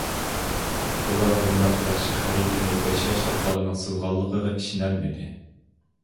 ئۇلار بۇنداق ياخشى خەرىتىنى بەش ياشلىق بالىنىڭ سىزغانلىقىغا ئىشىنەلمىدى.